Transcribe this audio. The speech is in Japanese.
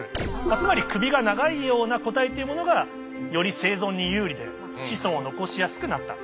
つまり首が長いような個体っていうものがより生存に有利で子孫を残しやすくなった。